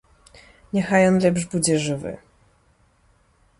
Няхай ён лепш будзе жывы.